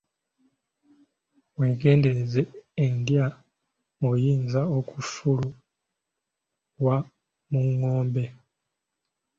Weegendereze, eddya oyinza okulifuwa mu ngombe.